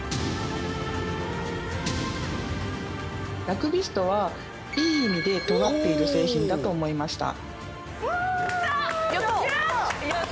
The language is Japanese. ラクビストはいい意味で尖っている製品だと思いました。